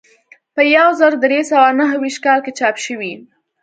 په یو زر درې سوه نهه ویشت کال کې چاپ شوی.